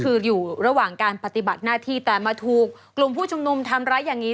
คืออยู่ระหว่างการปฏิบัติหน้าที่แต่มาถูกกลุ่มผู้ชุมนุมทำร้ายอย่างนี้